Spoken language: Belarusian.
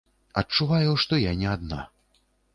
Адчуваю, што я не адна.